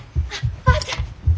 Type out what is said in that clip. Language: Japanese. おばあちゃん！